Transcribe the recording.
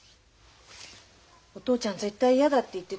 お父ちゃん絶対嫌だって言ってたよ。